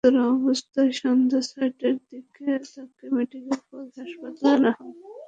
গুরুতর অবস্থায় সন্ধ্যা ছয়টার দিকে তাঁকে ঢাকা মেডিকেল কলেজ হাসপাতালে আনা হয়।